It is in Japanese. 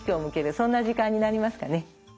そんな時間になりますかね。